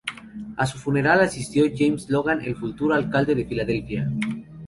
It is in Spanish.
A su funeral asistió James Logan, el futuro Alcalde de Filadelfia.